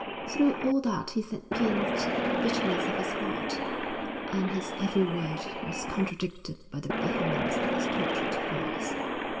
Through all that he said pierced the bitterness of his heart, and his every word was contradicted by the vehemence of his tortured voice.